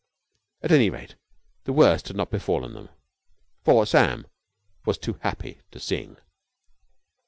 At any rate, the worst had not befallen them, for Sam was too happy to sing.